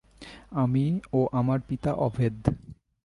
আমি ও আমার পিতা অভেদ।